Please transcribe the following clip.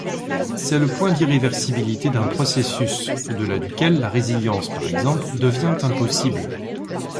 C'est le point d'irréversibilité d'un processus, au-delà duquel la résilience par exemple devient impossible.